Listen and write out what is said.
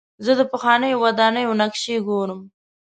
زه د پخوانیو ودانیو نقشې ګورم.